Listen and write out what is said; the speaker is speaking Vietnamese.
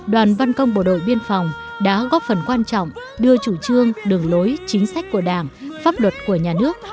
đoàn văn công bộ đội biên phòng đã góp phần quan trọng đưa chủ trương đường lối chính sách của đảng pháp luật của nhà nước